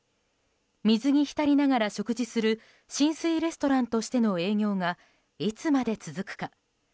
水に浸りながら食事する浸水レストランとしての営業がいつまで続くか。